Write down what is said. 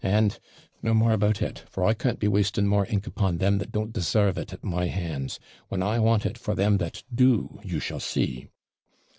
And no more about it; for I can't be wasting more ink upon them that don't desarve it at my hands, when I want it for them that do, you shall see.